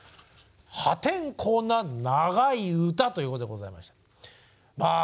「破天荒な長い歌」ということでございましてまあ